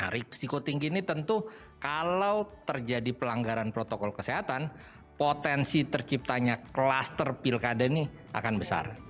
risiko tinggi ini tentu kalau terjadi pelanggaran protokol kesehatan potensi terciptanya kluster pilkada ini akan besar